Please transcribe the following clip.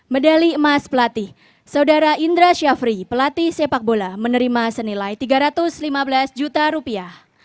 medali emas pelatih saudara indra syafri pelatih sepak bola menerima senilai tiga ratus lima belas juta rupiah